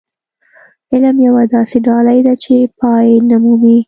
علم يوه داسې ډالۍ ده چې پای نه مومي.